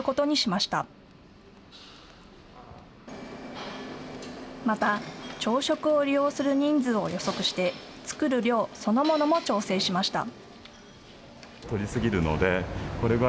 また、朝食を利用する人数を予測して作る量そのものも調整しました。